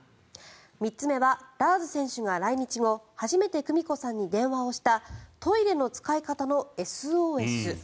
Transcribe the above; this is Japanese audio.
３つ目はラーズ選手が来日後初めて久美子さんに電話をしたトイレの使い方のＳＯＳ。